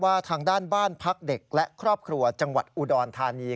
ทางด้านบ้านพักเด็กและครอบครัวจังหวัดอุดรธานี